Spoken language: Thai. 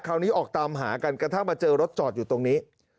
ออกตามหากันกระทั่งมาเจอรถจอดอยู่ตรงนี้